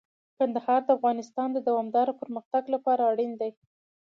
کندهار د افغانستان د دوامداره پرمختګ لپاره اړین دی.